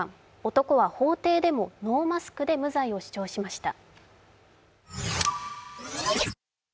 男は法廷でもノーマスクで無罪を主張しました。